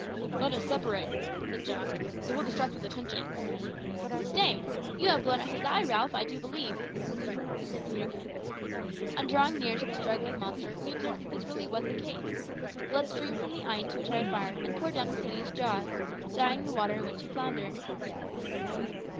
"Let us separate," said Jack; "it will distract his attention." "Stay; you have blown out his eye, Ralph, I do believe," said Peterkin. On drawing near to the struggling monster we observed that this was really the case. Blood streamed from the eye into which I had fired, and poured down his hideous jaws, dyeing the water in which he floundered.